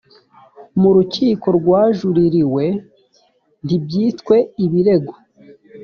mu rukiko rwajuririwe ntibyitwe ibirego